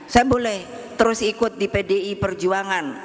saya boleh terus ikut di pdi perjuangan